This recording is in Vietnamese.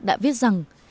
đã viết rằng